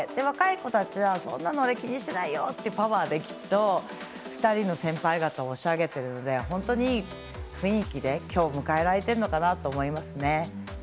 若い子たちは、そんなの俺気にしてないよっていうパワーできっと、２人の先輩方を押し上げてるので本当に雰囲気できょうを迎えられているのかなと思います。